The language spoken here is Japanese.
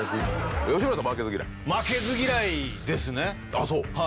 あぁそう。